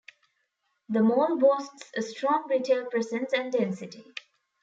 The mall boasts a strong retail presence and density.